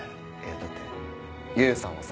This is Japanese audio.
だってよよさんはさ